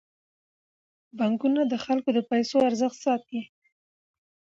بانکونه د خلکو د پيسو ارزښت ساتي.